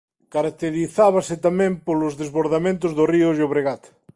Caracterizábase tamén polos desbordamentos do río Llobregat.